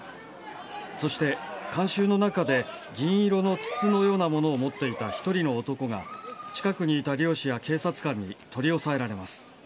そして観衆の中で銀色の筒のようなものを持っていた１人の男が近くにいた漁師や警察官に取り押さえられます。